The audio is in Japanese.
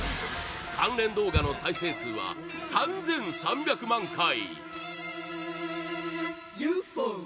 関連動画の再生数は３３００万回